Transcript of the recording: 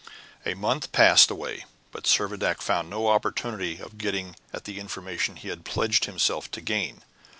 A month passed away, but Servadac found no opportunity of getting at the information he had pledged himself to gain.